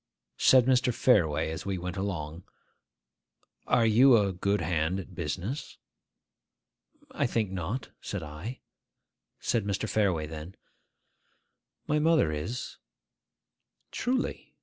Said Mr. Fareway, as we went along, 'Are you a good hand at business?' 'I think not,' said I. Said Mr. Fareway then, 'My mother is.' 'Truly?